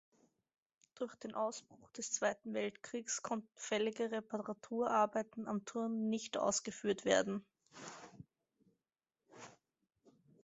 Durch den Ausbruch des Zweiten Weltkriegs konnten fällige Reparaturarbeiten am Turm nicht ausgeführt werden.